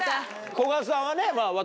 古閑さんはね。